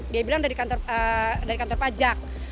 dia bilang dari kantor pajak